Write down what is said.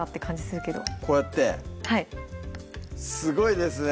こうやってはいすごいですね